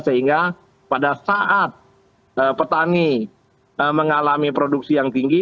sehingga pada saat petani mengalami produksi yang tinggi